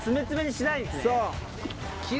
そう。